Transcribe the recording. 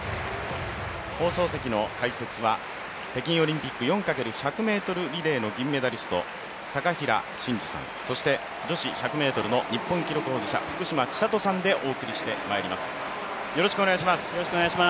放送席の解説は北京オリンピック４×１００ｍリレーの銀メダリスト、高平慎士さん、そして女子１００ｍの日本記録保持者、福島千里さんでお送りしていきます。